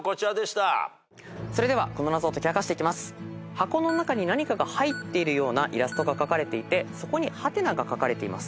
箱の中に何かが入っているようなイラストが描かれていてそこに「？」がかかれています。